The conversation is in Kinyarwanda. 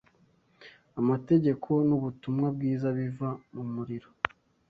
Amategeko nubutumwa bwiza biva mu muriro